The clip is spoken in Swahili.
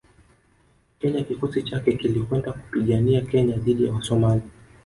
Kenya kikosi chake kilikwenda kupigania Kenya dhidi ya Wasomali